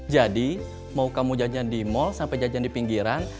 jadi mau kamu jajan di mall sampai jajan di pinggiran